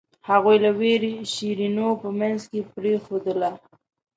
هغوی له وېرې شیرینو په منځ کې پرېښووله.